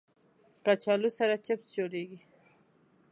کچالو سره چپس جوړېږي